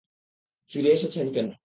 ফিরে এসেছেন কেন?